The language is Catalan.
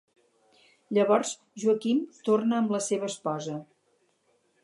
Llavors Joaquim torna amb la seva esposa.